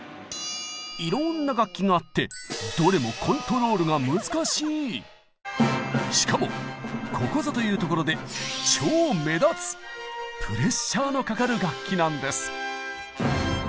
いろんな楽器があってどれもしかもここぞというところでプレッシャーのかかる楽器なんです。